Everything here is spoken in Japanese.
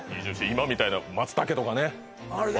今みたいな松茸とかね